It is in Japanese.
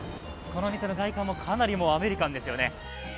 この店の外観もかなりアメリカンですよね。